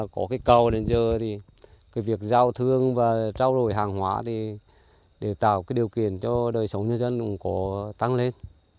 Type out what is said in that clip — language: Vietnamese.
cái việc giao thương và trao đổi hàng hóa thì tạo điều kiện cho đời sống nhân dân cũng có tăng lên